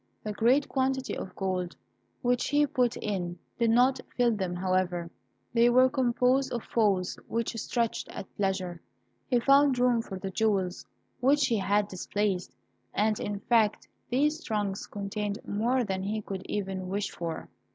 The great quantity of coin which he put in did not fill them, however. They were composed of folds which stretched at pleasure. He found room for the jewels which he had displaced, and, in fact, these trunks contained more than he could even wish for.